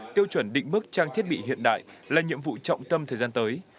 tiêu chuẩn định mức trang thiết bị hiện đại là nhiệm vụ trọng tâm thời gian tới